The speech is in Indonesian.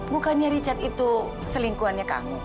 bukannya richard itu selingkuhannya kang